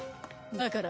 だから。